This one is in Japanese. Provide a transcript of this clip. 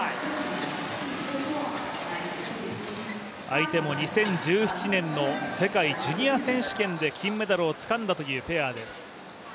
相手も２０１７年の世界ジュニア選手権で金メダルをつかんだというペア。